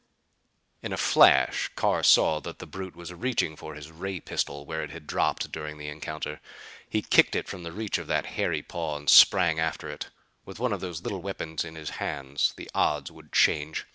In a flash Carr saw that the brute was reaching for his ray pistol where it had dropped during the encounter. He kicked it from the reach of that hairy paw and sprang after it. With one of those little weapons in his hands the odds would change!